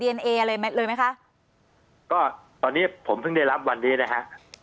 เออะไรเม็ดเลยไหมคะก็ตอนนี้ผมเพิ่งได้รับวันนี้นะฮะ